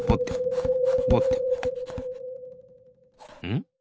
ん？